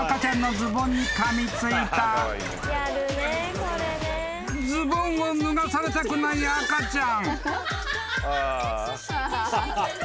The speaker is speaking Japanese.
［ズボンを脱がされたくない赤ちゃん］